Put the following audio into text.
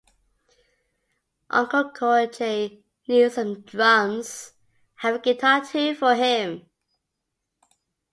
Uncle Corey J needs some drums I have a guitar too for him.